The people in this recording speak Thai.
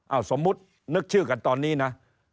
เอาสมมุตินึกชื่อกันตอนนี้นะ